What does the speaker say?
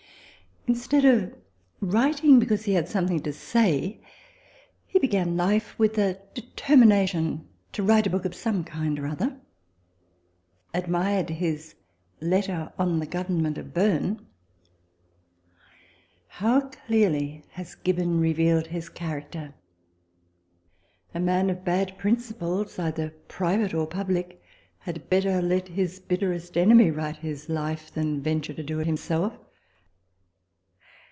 Instead of writing because he had something to say, he began life with a determination to write a book of some kind or other. Admired his letter on the Government of Berne, i. 388^ How clearly has Gibbon revealed his character ! A man of bad principles, either private or public, had better let his bitterest enemy write his life than venture to do it himself.